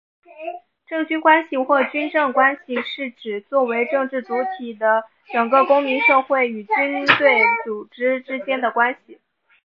政军关系或军政关系是指作为政治主体的整个公民社会与军队组织之间的关系。